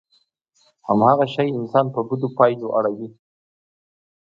هماغه شی انسان په بدو پايلو اړوي.